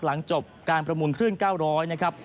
หลังจบการประมูลคลื่น๙๐๐นะครับ